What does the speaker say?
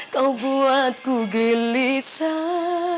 kau buatku gelisah